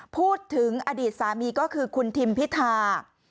พูดถึงอดีตสามีก็คือคุณทิมพิธา